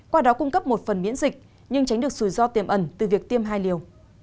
qua đó cung cấp một phần miễn dịch nhưng tránh được rủi ro tiềm ẩn từ việc tiêm hai liều